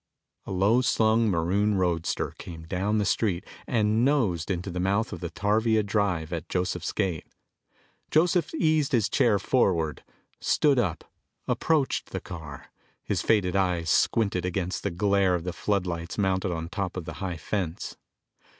A low slung maroon roadster came down the street and nosed into the mouth of the tarvia drive at Joseph's gate. Joseph eased his chair forward, stood up, approached the car, his faded eyes squinted against the glare of the floodlights mounted on top of the high fence.